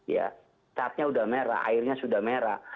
ya catnya sudah merah airnya sudah merah